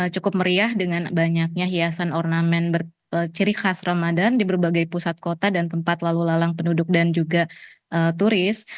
cukup meriah dengan banyaknya hiasan ornamen berciri khas ramadan di berbagai pusat kota dan tempat lalu lalang penduduk dan juga turis